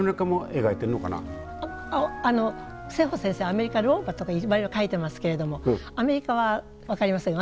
アメリカローマとかいろいろ描いてますけれどもアメリカは分かりません。